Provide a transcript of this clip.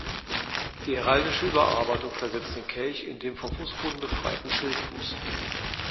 Die heraldische Überarbeitung versetzte den Kelch in den vom Boden befreiten Schildfuß.